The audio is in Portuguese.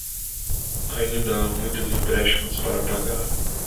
Ainda há muitos empréstimos para pagar.